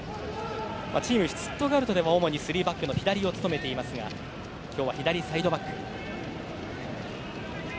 チームのシュツットガルトでは主に３バックの左を務めますが今日は左サイドバック。